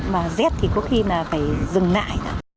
mà rét thì có khi là phải dừng lại